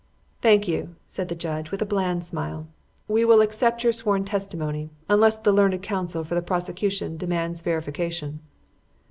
"Thank you," said the judge, with a bland smile; "we will accept your sworn testimony unless the learned counsel for the prosecution demands verification."